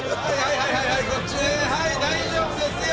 はい大丈夫ですよ